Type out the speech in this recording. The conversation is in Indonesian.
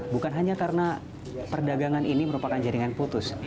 bukan hanya karena perdagangan ini merupakan jaringan putus